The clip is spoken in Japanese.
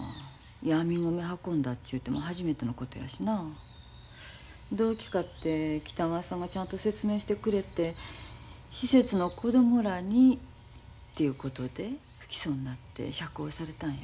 やみ米運んだちゅうても初めてのことやしな動機かて北川さんがちゃんと説明してくれて施設の子供らにということで不起訴になって釈放されたんや。